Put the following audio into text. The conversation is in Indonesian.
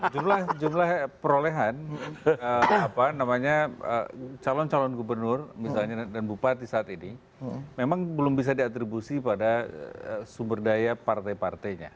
jumlah perolehan calon calon gubernur misalnya dan bupati saat ini memang belum bisa diatribusi pada sumber daya partai partainya